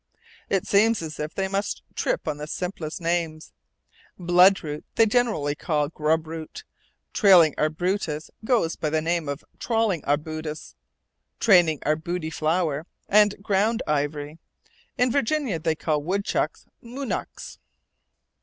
It seems as if they must trip on the simplest names. Bloodroot they generally call "grubroot;" trailing arbutus goes by the names of "troling" arbutus, "training arbuty flower," and ground "ivory;" in Virginia they call woodchucks "moonacks."